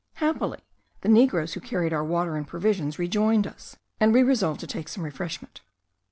Happily, the negroes who carried our water and provisions, rejoined us, and we resolved to take some refreshment.